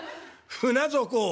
『船底を』」。